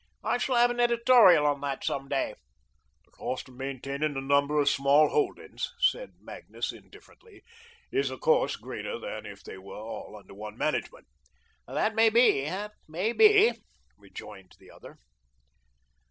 I shall have an editorial on that some day." "The cost of maintaining a number of small holdings," said Magnus, indifferently, "is, of course, greater than if they were all under one management." "That may be, that may be," rejoined the other.